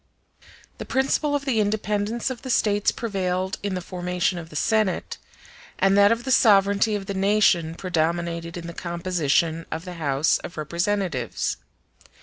The principle of the independence of the States prevailed in the formation of the Senate, and that of the sovereignty of the nation predominated in the composition of the House of Representatives.